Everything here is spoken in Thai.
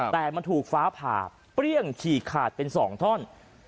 แต่มันถูกฟ้าผ่าเปรี้ยงฉี่ขาดเป็น๒ท่อน